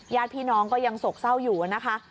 ญาติพี่น้องก็ยังโศกเศร้าอยู่นะคะ